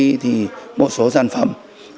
có một số sản phẩm